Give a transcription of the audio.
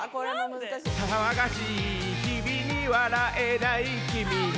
騒がしい日々に笑えない君に